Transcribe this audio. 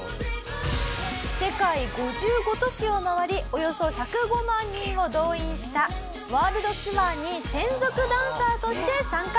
世界５５都市を回りおよそ１０５万人を動員したワールドツアーに専属ダンサーとして参加。